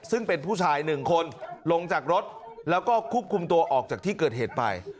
ซึ่งเป็นผู้ชายหนึ่งคนลงจากรถแล้วก็ควบคุมตัวออกจากที่เกิดเหตุไป